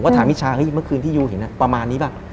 ก็ถามมิชาเมื่อคืนที่ยูเห็นประมาณนี้ป่ะ